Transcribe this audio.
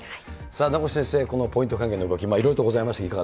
さあ、名越先生、ポイント還元の動き、いろいろとございましたけ